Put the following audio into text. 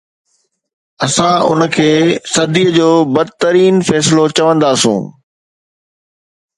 اسان ان کي صدي جو بدترين فيصلو چونداسون